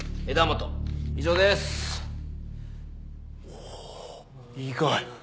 おお意外。